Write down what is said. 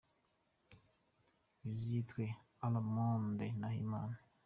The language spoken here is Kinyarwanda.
Bizitwe « A la mode Ndahimana ».